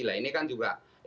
nah ini kan juga ini tapi juga